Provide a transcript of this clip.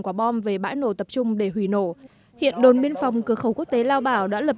quả bom về bãi nổ tập trung để hủy nổ hiện đồn biên phòng cửa khẩu quốc tế lao bảo đã lập